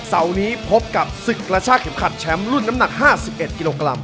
เสาร์นี้พบกับศึกกระชากเข็มขัดแชมป์รุ่นน้ำหนัก๕๑กิโลกรัม